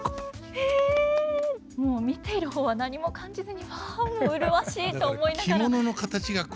もう見ている方は何も感じずに「うわ麗しい」と思いながら。